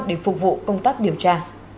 để phục vụ công tác điều tra